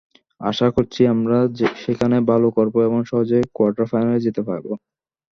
আশা করছি, আমরা সেখানে ভালো করব এবং সহজেই কোয়ার্টার ফাইনালে যেতে পারব।